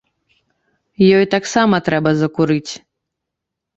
Ёй таксама трэба закурыць.